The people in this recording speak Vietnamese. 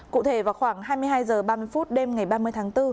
cụ thể vào khoảng hai mươi hai h ba mươi phút đêm ngày ba mươi tháng bốn